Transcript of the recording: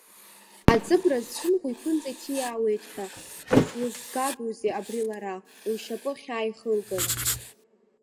Аҵыбра зцәымӷу иԥынҵа иҭиаауеит ҳәа, дызлызгагоузеи абри лара, лшьапы ахьааихылгалак?